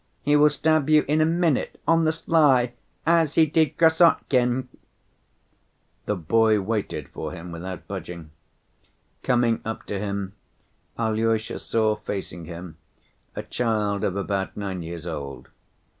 He will stab you in a minute, on the sly, as he did Krassotkin." The boy waited for him without budging. Coming up to him, Alyosha saw facing him a child of about nine years old.